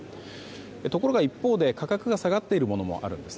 ところが一方で、価格が下がっているものもあります。